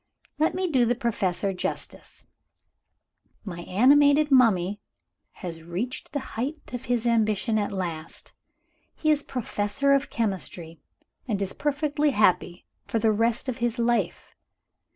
"Let me do the Professor justice. My Animated Mummy has reached the height of his ambition at last he is Professor of Chemistry, and is perfectly happy for the rest of his life.